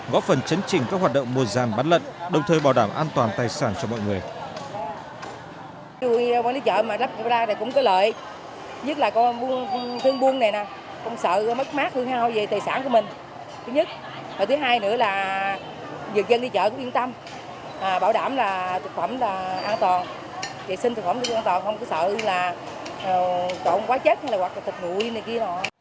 góp phần chấn trình các hoạt động mùa giàn bán lận đồng thời bảo đảm an toàn tài sản cho mọi người